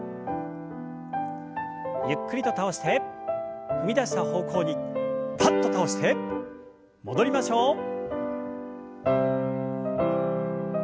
ゆっくりと倒して踏み出した方向にパッと倒して戻りましょう。